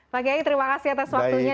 pak kiai terima kasih atas waktunya